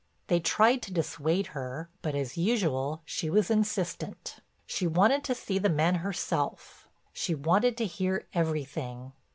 They tried to dissuade her, but, as usual, she was insistent; she wanted to see the men herself, she wanted to hear everything.